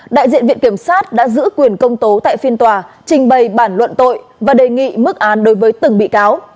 đại diện viện kiểm sát đã giữ quyền công tố tại phiên tòa trình bày bản luận tội và đề nghị mức án đối với từng bị cáo